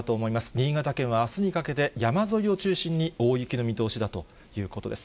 新潟県はあすにかけて、山沿いを中心に大雪の見通しだということです。